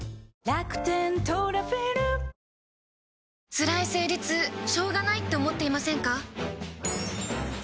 つらい生理痛しょうがないって思っていませんか？